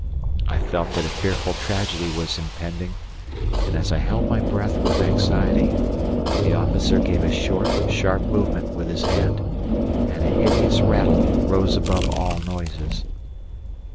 I felt that a fearful tragedy was impending, and as I held my breath with anxiety the officer gave a short, sharp movement with his hand and a hideous rattle rose above all noises.